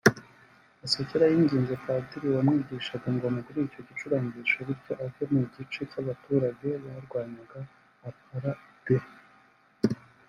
Masekela yinginze padiri wamwigishaga ngo amugurire icyo gicurangisho bityo ave mu gice cy’abaturage barwanyaga apartheid